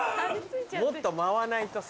もっと舞わないとさ。